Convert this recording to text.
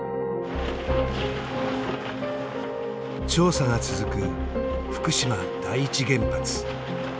調査が続く福島第一原発。